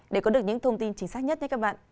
để có được những thông tin chính xác nhất các bạn